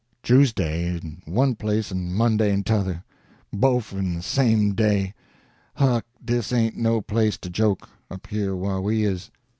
Choosday in one place en Monday in t'other, bofe in the same day! Huck, dis ain't no place to joke—up here whah we is.